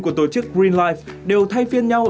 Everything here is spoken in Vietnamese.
của tổ chức green life đều thay phiên nhau